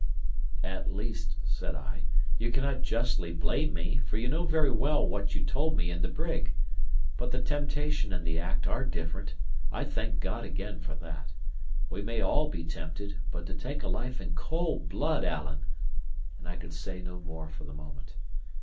"At least," said I, "you cannot justly blame me, for you know very well what you told me in the brig. But the temptation and the act are different, I thank God again for that. We may all be tempted; but to take a life in cold blood, Alan!" And I could say no more for the moment.